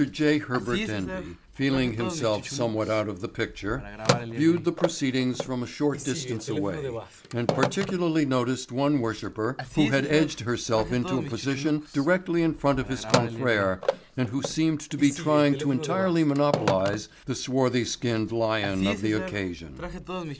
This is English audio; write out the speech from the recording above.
J. Herbert Denby, feeling himself somewhat out of the picture, viewed the proceedings from a short distance away and particularly noticed one worshiper who had edged herself into a position directly in front of his confrere and who seemed to be trying to entirely monopolize the swarthy skinned lion of the occasion.